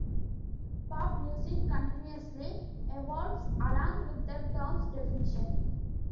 Pop music continuously evolves along with the term's definition.